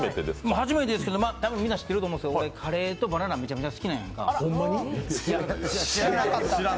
初めてですけとみんな知ってると思うけど俺、カレーとバナナ、めちゃくちゃ好きやんな？